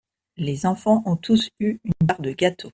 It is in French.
Les enfants ont tous eu une part de gâteau.